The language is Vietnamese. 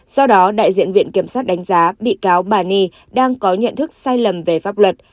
do đó đại diện viện kiểm sát đánh giá bị cáo bà ni đang có nhận thức sai lầm về pháp luật